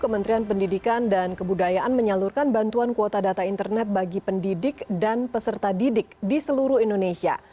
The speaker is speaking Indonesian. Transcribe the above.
kementerian pendidikan dan kebudayaan menyalurkan bantuan kuota data internet bagi pendidik dan peserta didik di seluruh indonesia